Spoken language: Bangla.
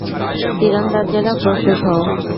তীরন্দাজেরা প্রস্তুত হও!